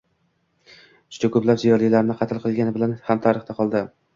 juda ko‘plab ziyolilarni qatl qilgani bilan ham tarixda qoldi.